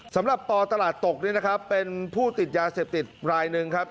สำหรับปตลาดตกนี่นะครับเป็นผู้ติดยาเสพติดรายหนึ่งครับ